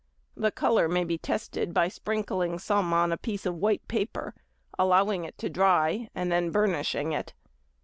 The colour may be tested by sprinkling some on a piece of white paper, allowing it to dry, and then burnishing it.